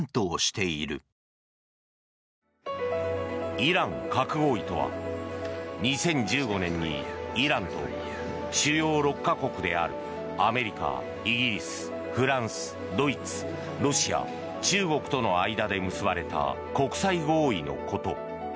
イラン核合意とは２０１５年にイランと主要６か国であるアメリカ、イギリス、フランスドイツ、ロシア、中国との間で結ばれた国際合意のこと。